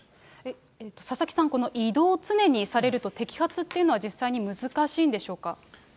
佐々木さん、この移動、常にされると摘発っていうのは実際に難しいんでしょうか。